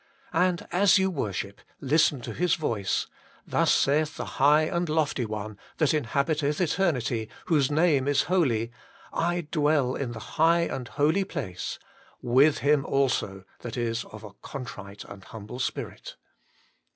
And as you worship, listen to His voice :' Thus saith the high and lofty One, that inhabiteth eternity, whose name is Holy : I dwell in the high and holy place, with him also that is of a contrite and humble spirit.'